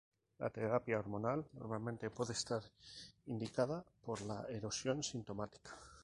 La terapia hormonal normalmente puede estar indicada por la erosión sintomática.